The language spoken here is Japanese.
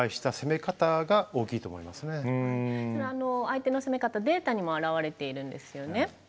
相手の攻め方データにも表れているんですよね。